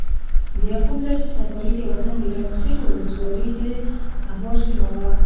د يعقوب ليث صفاري وطن د ګرمسېر ولسوالي د صفار سيمه ده۔